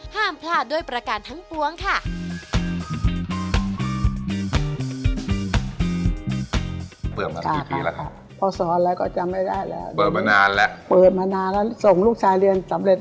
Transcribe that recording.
ห้ามพลาดด้วยประการทั้งปวงค่ะ